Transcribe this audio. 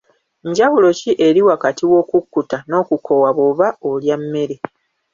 Njawulo ki eri wakati w'okukkuta n'okukoowa bw'oba olya emmere?